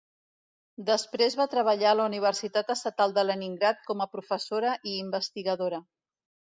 Després va treballar a la Universitat Estatal de Leningrad, com a professora i investigadora.